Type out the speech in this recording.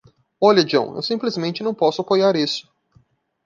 Olha John, eu simplesmente não posso apoiar isso.